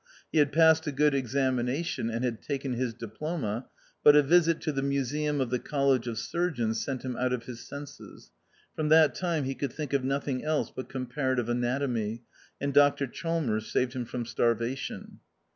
He had passed a good examination, and had taken his diploma ; but a visit to the Museum of the College of Surgeons sent him out of his senses ; from that time he could think of nothing else but comparative anatomy ; and Dr Chalmers saved him from starva tion.